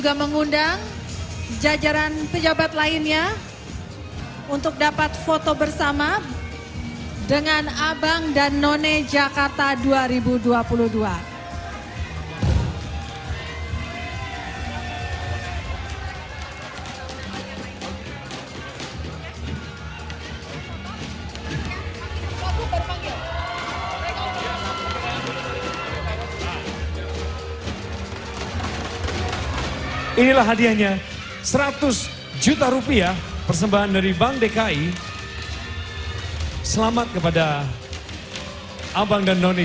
bapak anies rashid baswedan didampingi dengan ibu ferry farhati untuk dapat menyemangatkan selempang kepada para juara kita pada malam hari ini